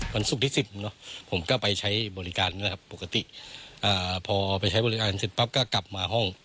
ศุกร์ที่๑๐ผมก็ไปใช้บริการนะครับปกติพอไปใช้บริการเสร็จปั๊บก็กลับมาห้อง